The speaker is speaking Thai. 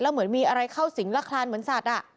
เหมือนมีอะไรเข้าสิงและคลานเหมือนสัตว์